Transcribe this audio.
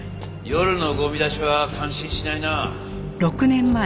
夜のゴミ出しは感心しないなあ。